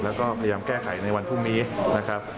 แล้วก็พยายามแก้ไขในวันพรุ่งนี้นะครับ